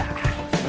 mas mbak udah pulang